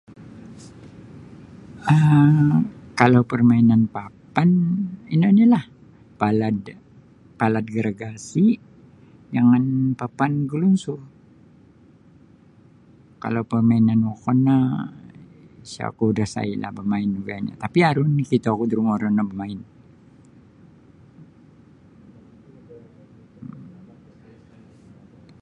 um Kalau parmainan papan ino ni' la palad palad gargasi jangan papan galungsur kalau pamainan wokon no isa ku dasai' la pamain nu gayanyo tapi aru nini nakito ku da rumo ro no bamain um .